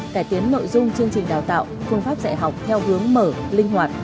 cải tiến nội dung chương trình đào tạo phương pháp dạy học theo hướng mở linh hoạt